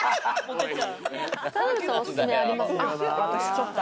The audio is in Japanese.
田辺さん、おすすめありますか？